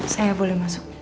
saya boleh masuk